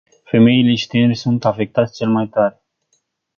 Femeile și tinerii sunt afectați cel mai tare.